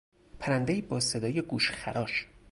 پرندهای با صدای گوشخراش